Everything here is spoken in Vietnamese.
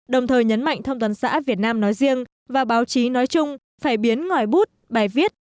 đồng thời nhấn mạnh thông tấn xã việt nam nói riêng và báo chí nói chung phải biến ngoài bút bài viết